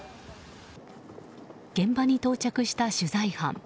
現場に到着した取材班。